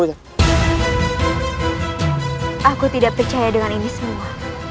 aku tidak percaya dengan ini semua